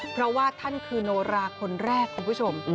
เพราะว่าท่านคือโนราคนแรกคุณผู้ชม